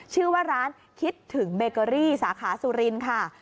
ชื่อว่าร้านคิดถึงเบเกอรี่สาขาสุรินทร์ค่ะ